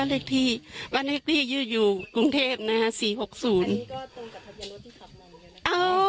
อันนี้ก็ตรงกับถักยานรถที่ขับมา